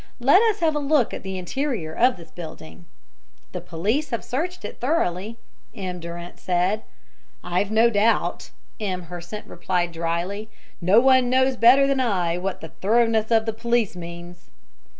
Let us have a look at the interior of this building." "The police have searched it thoroughly," M. Durant said. "I've no doubt," M. Hersant replied drily. "No one knows better than I what the thoroughness of the police means."